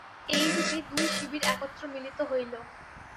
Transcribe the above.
এইরূপে দুই শিবির একত্র মিলিত হইল।